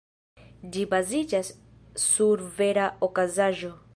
Ĝi baziĝas sur vera okazaĵo.